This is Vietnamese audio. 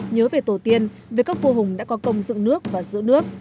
nhớ về tổ tiên về các vua hùng đã có công dựng nước và giữ nước